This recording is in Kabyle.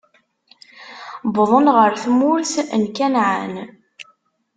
Wwḍen ɣer tmurt n Kanɛan.